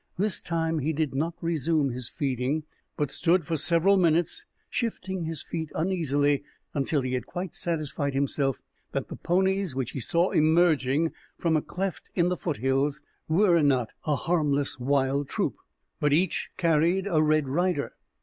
This time he did not resume his feeding, but stood for several minutes shifting his feet uneasily until he had quite satisfied himself that the ponies which he saw emerging from a cleft in the foothills were not a harmless wild troop, but carried each a red rider.